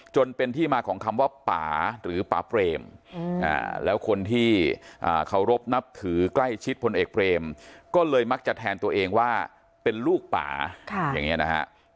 จนเป็นที่มาของคำว่าป่าหรือป่าเปรมแล้วคนที่เคารพนับถือใกล้ชิดพลเอกเบรมก็เลยมักจะแทนตัวเองว่าเป็นลูกป่าอย่างนี้นะฮะ